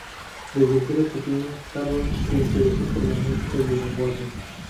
Desde que era pequeño Carroll se interesó por la música y el lenguaje.